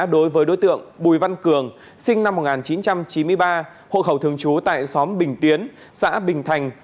đối với đối tượng bùi văn cường sinh năm một nghìn chín trăm chín mươi ba hộ khẩu thường trú tại xóm bình tiến xã bình thành